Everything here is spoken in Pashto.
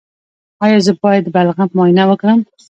ایا زه باید د بلغم معاینه وکړم؟